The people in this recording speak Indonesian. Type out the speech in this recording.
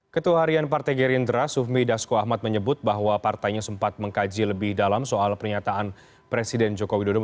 ketua harian partai gerindra sufmi dasko ahmad menyebut bahwa partainya sempat mengkaji lebih dalam soal pernyataan presiden joko widodo